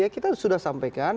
kita sudah sampaikan